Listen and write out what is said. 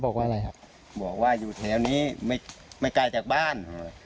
บอกว่าอะไรครับบอกว่าอยู่แถวนี้ไม่ไกลจากบ้าน